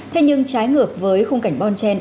thế nhưng trái ngược với khung cảnh bon chen